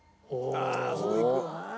ああそれいくな。